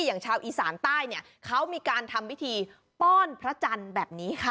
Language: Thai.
อย่างชาวอีสานใต้เนี่ยเขามีการทำพิธีป้อนพระจันทร์แบบนี้ค่ะ